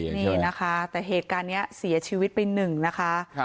นี่นะคะแต่เหตุการณ์นี้เสียชีวิตไปหนึ่งนะคะ